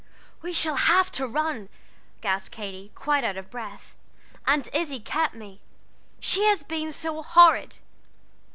"We shall have to run," gasped Katy, quite out of breath. "Aunt Izzie kept me. She has been so horrid!"